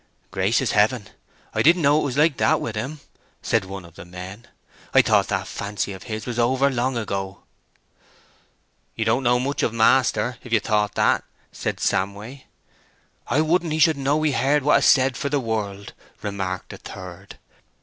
"Gracious heaven, I didn't know it was like that with him!" said one of the men. "I thought that fancy of his was over long ago." "You don't know much of master, if you thought that," said Samway. "I wouldn't he should know we heard what 'a said for the world," remarked a third.